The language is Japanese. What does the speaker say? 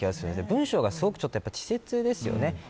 文章がすごく稚拙ですよね。